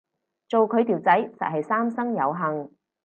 做佢條仔實係三生有幸